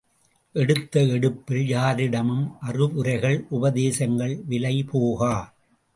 எடுத்த எடுப்பில் யாரிடமும் அறிவுரைகள் உப தேசங்கள் விலைபோகா.